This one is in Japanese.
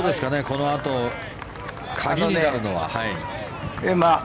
このあと鍵になるのは。